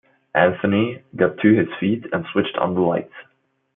Anthony got to his feet and switched on the lights.